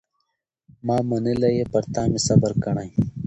ما منلی یې پر تا مي صبر کړی